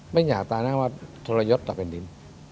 ไม่อยากตาแนะว่าทรยศต่อเป็นดิน